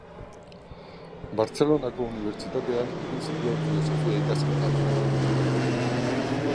Bartzelonako Unibertsitatean egin zituen filosofia-ikasketak.